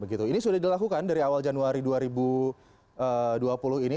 ini sudah dilakukan dari awal januari dua ribu dua puluh ini